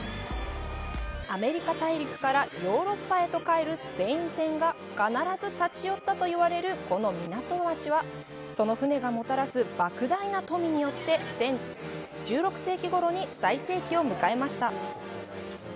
アメリカ大陸からヨーロッパへと帰るスペイン船が必ず立ち寄ったといわれるこの港町はその船がもたらす莫大な富によって１６世紀ごろに最盛期を迎えました。